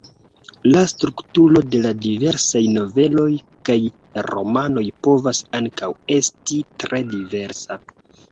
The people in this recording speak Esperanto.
La strukturo de la diversaj noveloj kaj romanoj povas ankaŭ esti tre diversa.